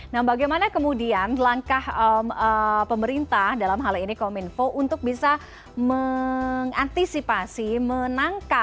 nah bagaimana kemudian langkah pemerintah dalam hal ini kominfo untuk bisa mengantisipasi menangkal